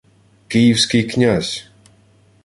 — Київський князь!